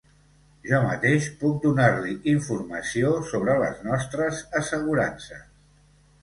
Jo mateix puc donar-li informació sobre les nostres assegurances.